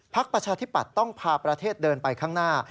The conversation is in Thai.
ประชาธิปัตย์ต้องพาประเทศเดินไปข้างหน้า